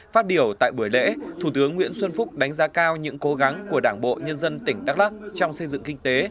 phát biểu tại buổi lễ thủ tướng nguyễn xuân phúc đánh giá cao những cố gắng của đảng bộ nhân dân tỉnh đắk lắc trong xây dựng kinh tế